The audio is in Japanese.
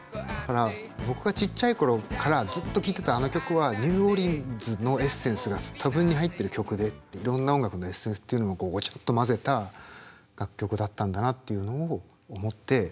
だから僕がちっちゃい頃からずっと聴いてたあの曲はニューオリンズのエッセンスが多分に入ってる曲でいろんな音楽のエッセンスっていうのもごちゃっと混ぜた楽曲だったんだなっていうのを思って。